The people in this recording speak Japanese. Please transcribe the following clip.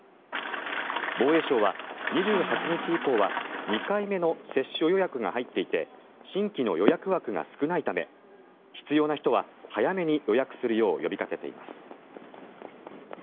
防衛省は２８日以降は２回目の接種予約が入っていて新規の予約枠が少ないため必要な人は早めに予約するよう呼びかけています。